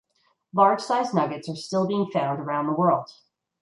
Large size nuggets are still being found around the world.